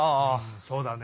そうだね。